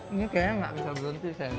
ini kaya gak bisa berhenti sayang